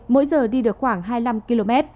mỗi giờ đi được khoảng hai mươi năm km